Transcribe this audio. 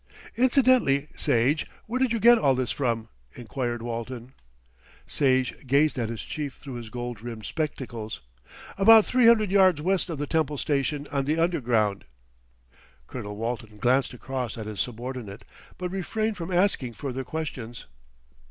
"Incidentally, Sage, where did you get all this from?" enquired Walton. Sage gazed at his chief through his gold rimmed spectacles. "About three hundred yards west of the Temple Station on the Underground." Colonel Walton glanced across at his subordinate; but refrained from asking further questions.